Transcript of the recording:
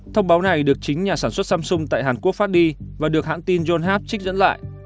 thông báo này được chính nhà sản xuất samsung tại hàn quốc phát đi và được hãng tin john hap trích dẫn lại